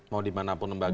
mau dimanapun lembaganya